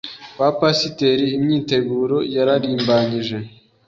Kwa Pasiteri imyiteguro yararimbanyije